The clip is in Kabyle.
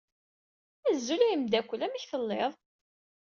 Azul a ameddakel! Amek telliḍ?